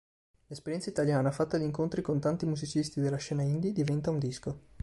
L'esperienza italiana, fatta di incontri con tanti musicisti della scena indie, diventa un disco.